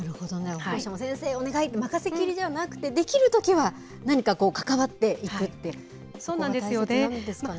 保護者も、先生お願い、任せきりじゃなくて、できるときは何か関わっていくってそうなんですよね。